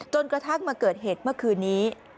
กระทั่งมาเกิดเหตุเมื่อคืนนี้